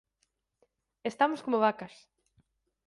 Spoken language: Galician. Estamos como vacas.